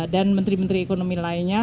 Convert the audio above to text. dan menteri menteri ekonomi lainnya